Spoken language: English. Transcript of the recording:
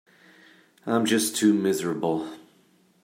I'm just too miserable.